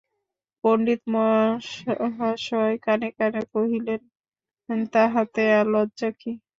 পণ্ডিতমহাশয় কানে কানে কহিলেন, তাহাতে আর লজ্জা কী!